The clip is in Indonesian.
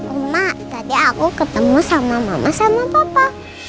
emak tadi aku ketemu sama mama sama papa